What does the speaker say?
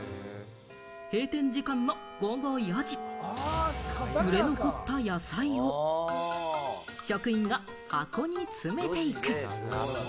閉店時間の午後４時、売れ残った野菜を職員が箱に詰めていく。